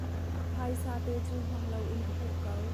A phaisate cu hmang loin a humh ko.